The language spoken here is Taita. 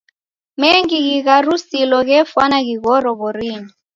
Mengi ghighalusiro ghefwana ghighoro w'orinyi.